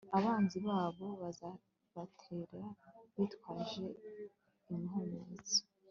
abanzi babo bazabatera bitwaje imihumetso